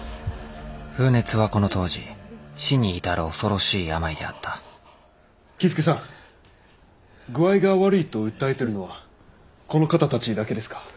風熱はこの当時死に至る恐ろしい病であった僖助さん具合が悪いと訴えてるのはこの方たちだけですか？